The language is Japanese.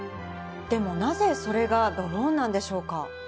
でもなぜそれがドローンなんでしょうか。